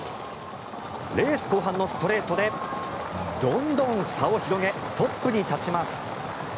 レース後半のストレートでどんどん差を広げトップに立ちます。